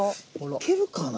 いけるかな？